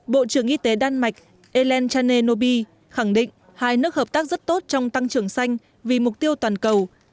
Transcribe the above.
bộ trưởng y tế đan mạch elentane nobi khẳng định hai nước hợp tác rất tốt trong tăng trưởng xanh vì mục tiêu toàn cầu